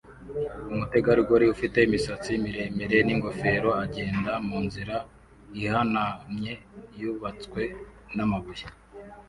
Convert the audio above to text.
Umutegarugori ufite imisatsi miremire n'ingofero agenda munzira ihanamye yubatswe namabuye